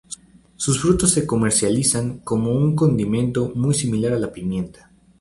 Sus frutos se comercializan como un condimento muy similar a la pimienta.